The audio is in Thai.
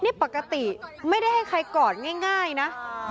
นี่ปกติไม่ได้ให้ใครกอดง่ายนะ